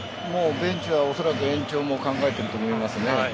ベンチはおそらく延長も考えていると思います。